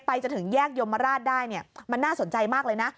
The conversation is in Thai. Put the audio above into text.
จนถึงแยกยมราชได้เนี่ยมันน่าสนใจมากเลยนะ